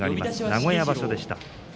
名古屋場所でした。